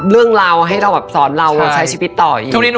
เรื่องราวให้เราแบบสอนเราใช้ชีวิตต่ออยู่